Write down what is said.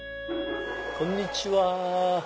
こんにちは！